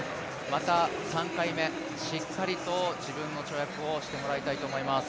また３回目、しっかりと自分の跳躍をしてもらいたいと思います。